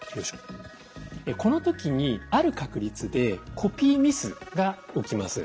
この時にある確率でコピーミスが起きます。